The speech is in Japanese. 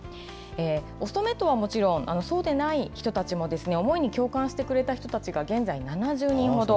オストメイトはもちろん、そうでない人たちも思いに共感してくれた人たちが、現在７０人ほど。